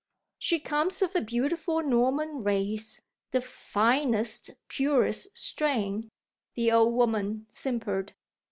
"She comes of a beautiful Norman race the finest, purest strain," the old woman simpered.